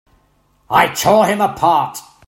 I tore him apart!